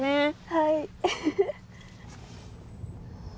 はい。